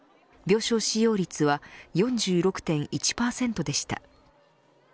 病床使用率は４６．１％でした。